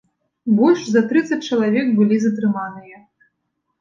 Больш за трыццаць чалавек былі затрыманыя.